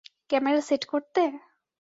Camera set করতে?